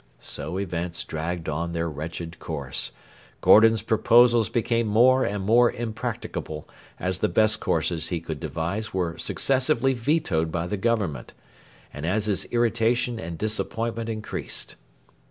So events dragged on their wretched course. Gordon's proposals became more and more impracticable as the best courses he could devise were successively vetoed by the Government, and as his irritation and disappointment increased.